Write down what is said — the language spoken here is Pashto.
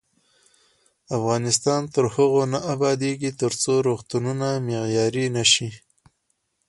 افغانستان تر هغو نه ابادیږي، ترڅو روغتونونه مو معیاري نشي.